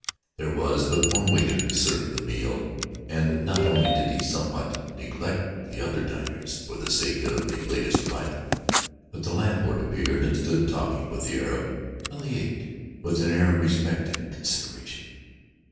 There was but one waiter to serve the meal, and not only did he somewhat neglect the other diners for the sake of the latest arrival, but the landlord appeared, and stood talking with the Arab while he ate, with an air of respect and consideration.